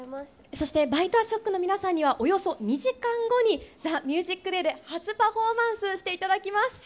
そして、ＢｉＴＥＡＳＨＯＣＫの皆さんには、およそ２時間後に、ＴＨＥＭＵＳＩＣＤＡＹで初パフォーマンスしていただきます。